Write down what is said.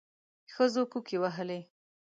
ښځو کوکي وهلې.